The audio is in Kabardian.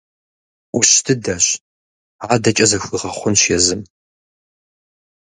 Ӏущ дыдэщ, адэкӀэ зэхуигъэхъунщ езым.